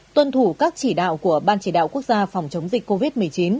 tuân thủ các chỉ đạo của ban chỉ đạo quốc gia phòng chống dịch covid một mươi chín